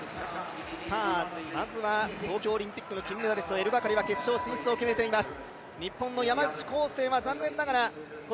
まずは東京オリンピックの金メダリストのエル・バカリが決勝進出を決めています。